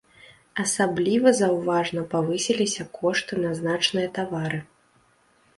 Асабліва заўважна павысіліся кошты на значныя тавары.